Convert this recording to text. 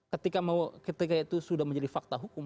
ketika itu sudah menjadi fakta hukum